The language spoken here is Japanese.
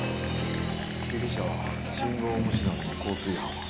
被疑者は信号無視などの交通違反は？